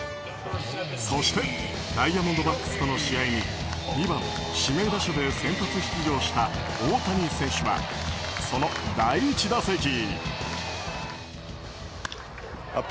そしてダイヤモンドバックスとの試合に２番指名打者で先発出場した大谷選手はその第１打席。